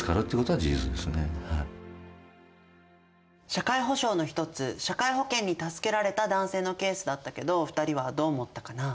社会保障の一つ社会保険に助けられた男性のケースだったけど２人はどう思ったかな？